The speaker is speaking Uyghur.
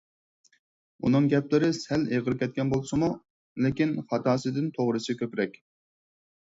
ئۇنىڭ گەپلىرى سەل ئېغىر كەتكەن بولسىمۇ، لېكىن خاتاسىدىن توغرىسى كۆپرەك.